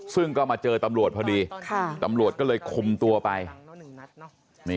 ซึ่งก็มาเจอตำรวจพอดีตำรวจก็เลยคุมตัวไป